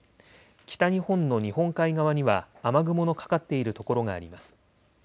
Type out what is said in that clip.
北日本の日本海側には雨雲のかかっている所があります。